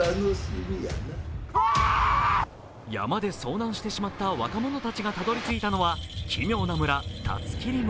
山で遭難してしまった若者たちがたどりついたのは奇妙な村、龍切村。